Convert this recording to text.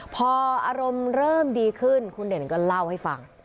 พออารมณ์เริ่มดีขึ้นคุณเด่นก็เล่าให้ฟัง